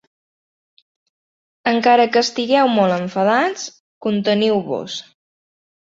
Encara que estigueu molt enfadats, conteniu-vos.